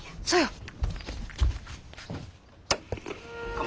そや！